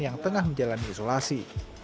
yang tengah menjalani isolasi